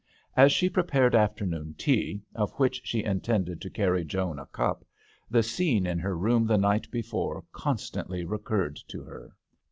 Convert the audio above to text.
As she prepared afternoon tea, of which she intended to carry Joan a cup9 the scene in her room the night before constantly recurred to her.